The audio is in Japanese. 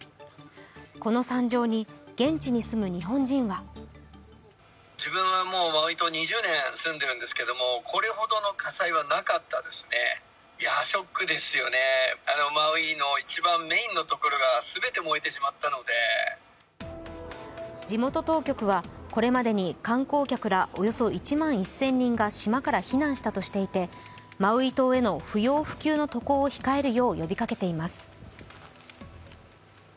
この惨状に現地に住む日本人は地元当局はこれまでに観光客ら１万１０００人が島から避難したとしていて、マウイ島への不要不急の渡航を控えるよう呼びかけています。